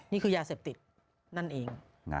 นี่คือยาเสพติดนั่นเอง